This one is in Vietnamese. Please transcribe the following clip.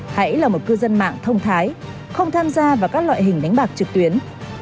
hãy là một cư dân mạng thông thái không tham gia vào các loại hình đánh bạc trực tuyến